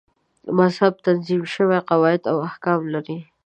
مذهب تنظیم شوي قواعد او احکام لري.